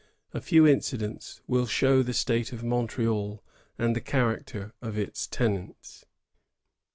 A few incidents will show the state of Montreal and the character of its tenants.